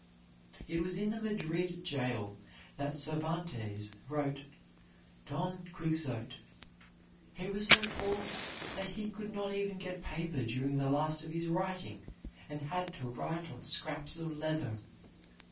It was in the Madrid jail that Cervantes wrote "Don Quixote." He was so poor that he could not even get paper during the last of his writing, and had to write on scraps of leather.